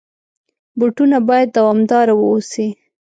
بوټونه باید دوامدار واوسي.